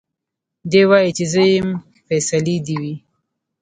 دی وايي چي زه يم فيصلې دي وي